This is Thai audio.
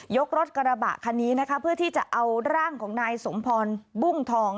รถกระบะคันนี้นะคะเพื่อที่จะเอาร่างของนายสมพรบุ้งทอง